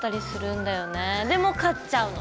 でも買っちゃうの。